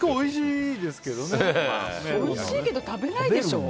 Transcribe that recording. おいしいけど食べないでしょ？